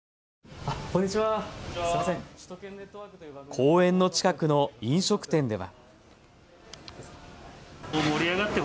公園の近くの飲食店では。